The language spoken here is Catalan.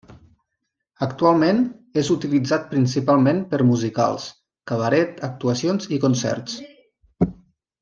Actualment, és utilitzat principalment per musicals, cabaret, actuacions i concerts.